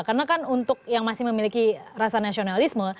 karena kan untuk yang masih memiliki rasa nasionalisme